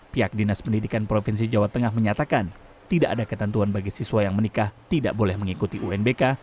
pihak dinas pendidikan provinsi jawa tengah menyatakan tidak ada ketentuan bagi siswa yang menikah tidak boleh mengikuti unbk